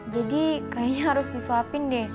jadi kayaknya harus disuapin deh